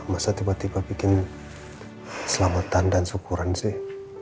masa tiba tiba bikin selamatan dan syukuran sih